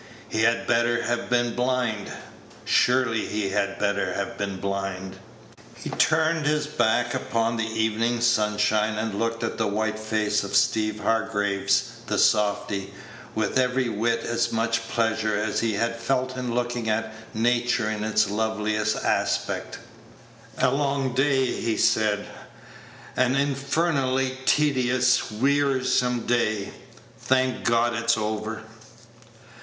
He had better have been blind; surely he had better have been blind. He turned his back upon the evening sunshine, and looked at the white face of Steeve Hargraves, the softy, with every whit as much pleasure as he had felt in looking at Nature in her loveliest aspect. "A long day," he said; "an infernally tedious, wearisome day. Thank God, it's over."